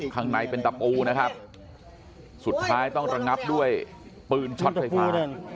ข้างในเป็นตะปูนะครับสุดท้ายต้องระงับด้วยปืนช็อตไฟฟ้า